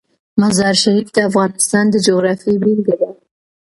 مزارشریف د افغانستان د جغرافیې بېلګه ده.